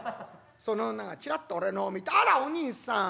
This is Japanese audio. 「その女がチラッと俺の方見て『あらおにいさん！